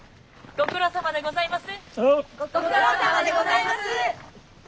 ご苦労さまでございます。